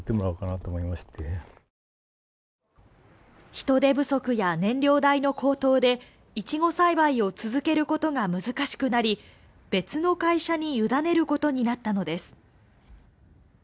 人手不足や燃料代の高騰でいちご栽培を続けることが難しくなり、別の会社に委ねることになったのです。